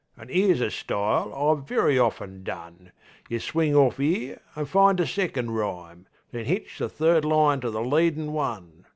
An' 'ere's a style I've very often done: You swing orf 'ere, an' find a second rhyme, Then hitch the third line to the leadin' one.